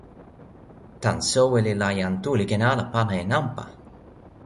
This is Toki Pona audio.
tan soweli la, jan Tu li ken ala pana e nanpa.